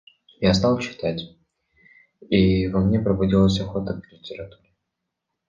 Я стал читать, и во мне пробудилась охота к литературе.